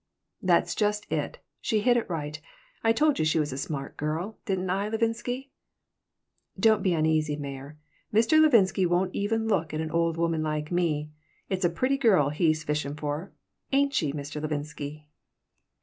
"That's just it. She hit it right. I told you she was a smart girl, didn't I, Levinsky?" "Don't be uneasy, Meyer. Mr. Levinsky won't even look at an old woman like me. It's a pretty girl he's fishin' for. Ainchye, Mr. Levinsky?"